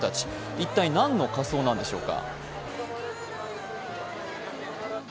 一体、何の仮装なんでしょうか。